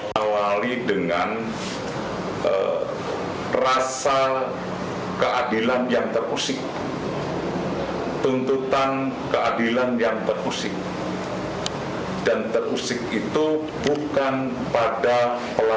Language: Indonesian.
kepala kantor wilayah kemenkumham ntb harisukamto pada rabu pagi mengatakan kerusuhan dalam rutan rababima